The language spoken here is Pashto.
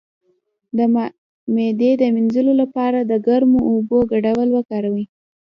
د معدې د مینځلو لپاره د ګرمو اوبو ګډول وکاروئ